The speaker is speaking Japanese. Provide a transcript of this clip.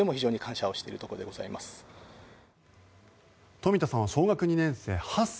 冨田さんは小学２年生、８歳。